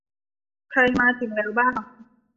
ใครมาถึงแล้วบ้าง